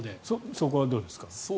そこはどうですか。